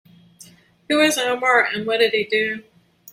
Who is Omar and what did he do?